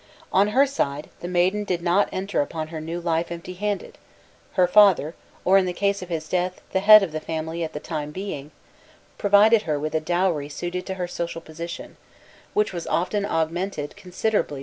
On her side, the maiden did not enter upon her new life empty handed; her father, or, in the case of his death, the head of the family at the time being, provided her with a dowry suited to her social position, which was often augmented by considerable presents from her grandmother, aunts, and cousins.